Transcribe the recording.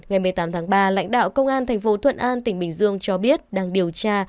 ngày một mươi tám tháng ba lãnh đạo công an thành phố thuận an tỉnh bình dương cho biết đang điều tra